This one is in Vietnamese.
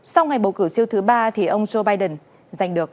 sau ngày bầu cử siêu thứ ba thì ông joe biden giành được